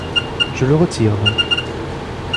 Je le retire donc.